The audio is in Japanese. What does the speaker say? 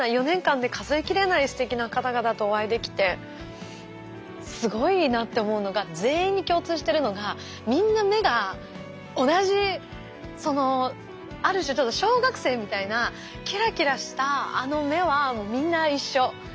４年間で数え切れないすてきな方々とお会いできてすごいなって思うのが全員に共通してるのがみんな目が同じある種ちょっと小学生みたいなキラキラしたあの目はみんな一緒。